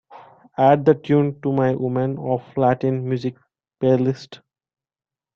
Add the tune to my Women of Latin Music playlist.